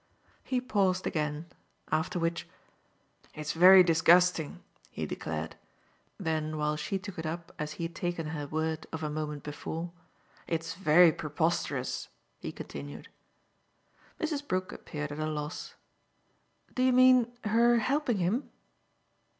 He paused again; after which, "It's very disgusting!" he declared. Then while she took it up as he had taken her word of a moment before, "It's very preposterous," he continued. Mrs. Brook appeared at a loss. "Do you mean her helping him?"